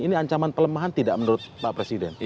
ini ancaman pelemahan tidak menurut pak presiden